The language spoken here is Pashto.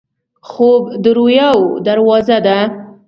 خوب د رویاوو دروازه ده